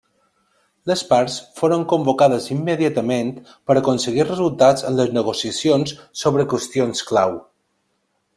Les parts foren convocades immediatament per aconseguir resultats en les negociacions sobre qüestions clau.